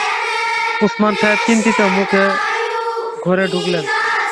ওসমান সাহেব চিন্তিত মুখে ঘরে ঢুকলেন।